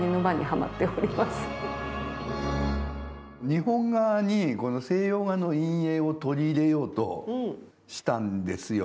日本画に西洋画の陰影を取り入れようとしたんですよ。